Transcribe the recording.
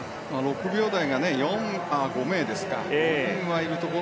６秒台が５名ですか。